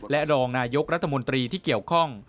และรองนายกรัฐมนตรีที่เกี่ยวข้อง